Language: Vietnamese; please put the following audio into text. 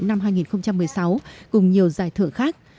năm hai nghìn một mươi sáu cùng nhiều giải thưởng khác